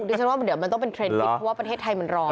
ดิฉันว่าเดี๋ยวมันต้องเป็นเทรนดคิดเพราะว่าประเทศไทยมันร้อน